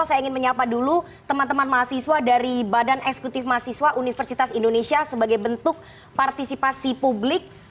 saya ingin menyapa dulu teman teman mahasiswa dari badan eksekutif mahasiswa universitas indonesia sebagai bentuk partisipasi publik